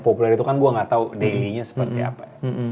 populer itu kan gue gak tau daily nya seperti apa